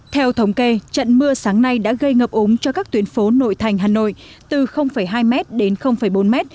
theo thống kê trận mưa sáng nay đã gây ngập ống cho các tuyến phố nội thành hà nội từ hai m đến bốn m